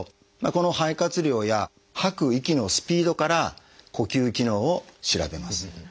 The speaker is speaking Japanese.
この肺活量や吐く息のスピードから呼吸機能を調べます。